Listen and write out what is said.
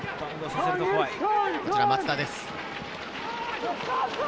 こちらが松田です。